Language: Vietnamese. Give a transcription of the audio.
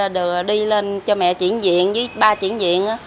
rồi đi lên cho mẹ chuyển viện với ba chuyển viện